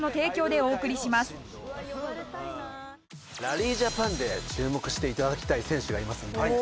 ラリージャパンで注目して頂きたい選手がいますんで。